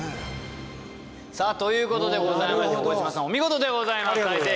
さあということでございまして小島さんお見事でございます大正解。